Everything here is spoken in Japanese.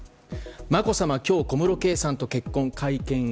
「まこさま、今日小室圭さんと結婚・会見へ」。